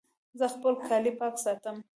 زه خپل کالي پاک ساتم.